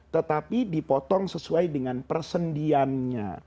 tetapi dipotong sesuai dengan persendiannya